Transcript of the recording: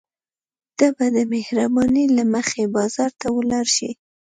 ته به د مهربانۍ له مخې بازار ته ولاړ شې.